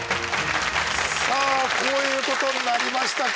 さあこういうことになりましたか。